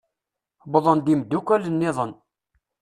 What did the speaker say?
Wwḍen-d imddukal-nniḍen.